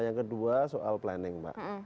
yang kedua soal planning mbak